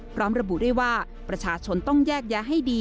พร้อมระบุด้วยว่าประชาชนต้องแยกแยะให้ดี